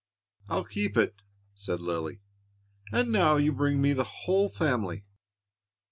"I'll keep it," said Lily; "and now you bring me the whole family."